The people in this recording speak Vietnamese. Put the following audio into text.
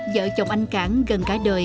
vợ chồng anh cảng gần cả đời